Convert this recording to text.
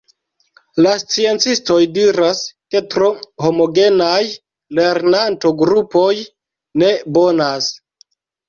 La sciencistoj diras, ke tro homogenaj lernanto-grupoj ne bonas.